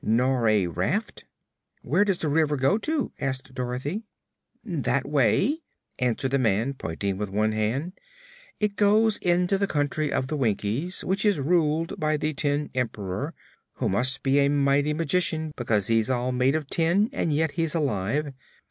"Nor a raft?" "Where does this river go to?" asked Dorothy. "That way," answered the man, pointing with one hand, "it goes into the Country of the Winkies, which is ruled by the Tin Emperor, who must be a mighty magician because he's all made of tin, and yet he's alive.